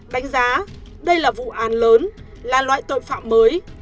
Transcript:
đánh giá đây là vụ án lớn là loại tội phạm mới